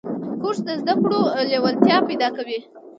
کورس د زده کړو لیوالتیا پیدا کوي.